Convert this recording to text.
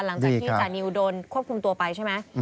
หลังจากที่จานิวโดนควบคุมตัวไปใช่ไหม